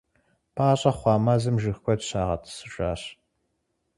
Пӏащӏэ хъуа мэзым жыг куэд щагъэтӏысыжащ.